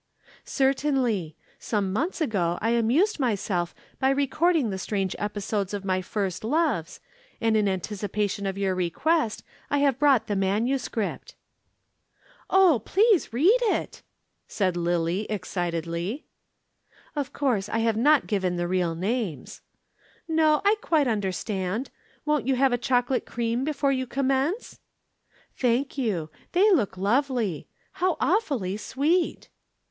"Certainly. Some months ago I amused myself by recording the strange episodes of my first loves, and in anticipation of your request I have brought the manuscript." "Oh, please read it!" said Lillie excitedly. "Of course I have not given the real names." "No, I quite understand. Won't you have a chocolate cream before you commence?" "Thank you. They look lovely. How awfully sweet!"